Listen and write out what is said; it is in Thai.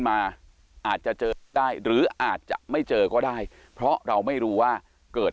มาอาจจะเจอได้หรืออาจจะไม่เจอก็ได้เพราะเราไม่รู้ว่าเกิด